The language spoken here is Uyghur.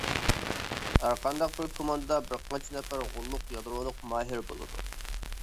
ھەرقانداق بىر كوماندىدا بىرقانچە نەپەر غوللۇق، يادرولۇق ماھىر بولىدۇ.